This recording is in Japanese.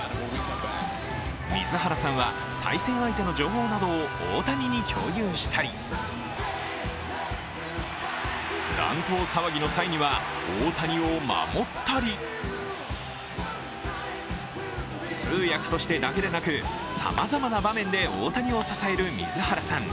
水原さんは対戦相手の情報などを大谷に共有したり、乱闘騒ぎの際には大谷を守ったり通訳としてだけでなくさまざまな場面で大谷を支える水原さん。